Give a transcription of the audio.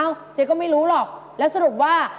เจ๊ก็ไม่รู้หรอกแล้วสรุปว่า